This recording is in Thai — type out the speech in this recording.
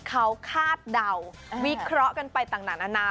เขาคาดเดาวิเคราะห์กันไปต่างนานา